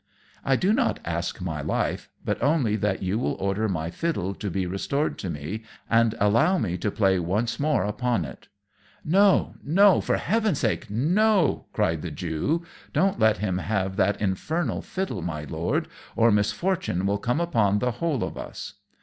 "I do not ask my life, but only that you will order my fiddle to be restored to me, and allow me to play once more upon it." "No! no! for heaven's sake, no!" cried the Jew. "Don't let him have that infernal fiddle, my Lord, or misfortune will come upon the whole of us."